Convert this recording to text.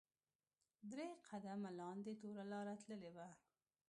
درې قدمه لاندې توره لاره تللې ده.